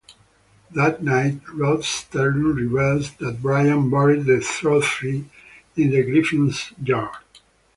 That night, Rod Serling reveals that Brian buried the trophy in the Griffins' yard.